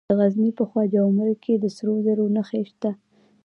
د غزني په خواجه عمري کې د سرو زرو نښې شته.